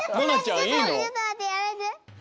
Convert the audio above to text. ちょっとまってやめて。